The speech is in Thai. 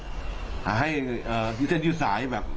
ผมไม่ไหวเป็นลูก